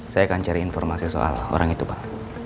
saya akan cari informasi soal orang itu pak